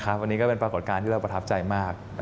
อันนี้ก็เป็นปรากฏการณ์ที่เราประทับใจมาก